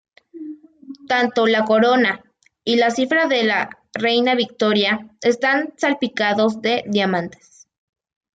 Tanto la corona y la cifra de la reina Victoria están salpicados de diamantes.